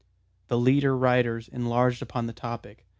The leader writers enlarged upon the topic.